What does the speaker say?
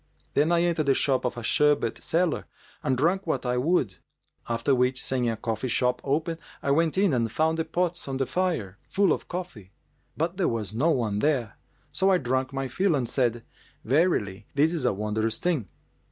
Then I entered the shop of a sherbet seller and drank what I would; after which, seeing a coffee shop open, I went in and found the pots on the fire, full of coffee;[FN#396] but there was no one there. So I drank my fill and said, 'Verily, this is a wondrous thing!